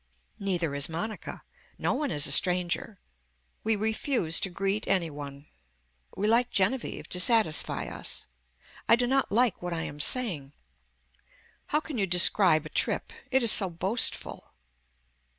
Neither is Monica. No one is a stranger. We refuse to greet any one. We like Genevieve to satisfy us. I do not like what I am saying. How can you describe a trip. It is so boastful.